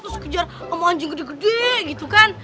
terus kejar sama anjing gede gede gitu kan